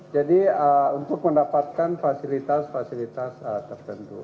jadi untuk mendapatkan fasilitas fasilitas tertentu